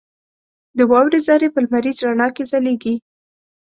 • د واورې ذرې په لمریز رڼا کې ځلېږي.